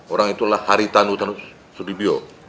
orang itulah haritanu haritanu sudibio